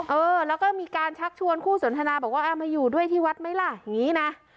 เออแล้วก็มีการชักชวนคู่สนทนาบอกว่ามาอยู่ด้วยที่วัดไหมล่ะอย่างนี้นะ